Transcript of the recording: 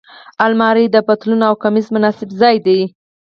الماري د پتلون او کمیس مناسب ځای دی